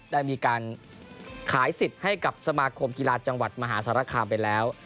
ได้มีการขายสิทธิ์ให้กับสมาคมกีฬาจังหวัดมหาสารคามไปแล้ว